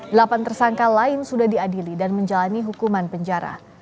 delapan tersangka lain sudah diadili dan menjalani hukuman penjara